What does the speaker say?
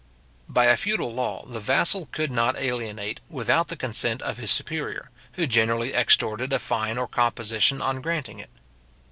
By a feudal law, the vassal could not alienate without the consent of his superior, who generally extorted a fine or composition on granting it.